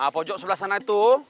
pocok sebelah sana itu